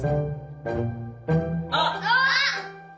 あっ！